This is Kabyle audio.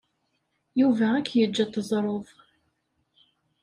Yuba ad k-yeǧǧ ad teẓreḍ.